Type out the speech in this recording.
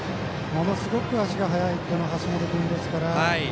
ものすごく足が速い橋本君ですが。